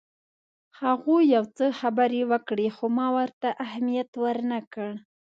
هغوی یو څه خبرې وکړې خو ما ورته اهمیت ورنه کړ.